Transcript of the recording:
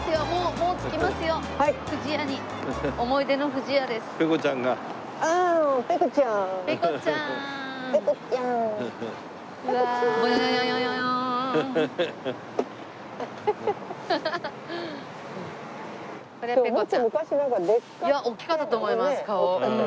大きかったと思います顔。